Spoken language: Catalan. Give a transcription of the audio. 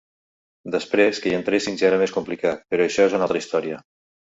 Després, que hi entressin ja era més complicat, però això és una altra història.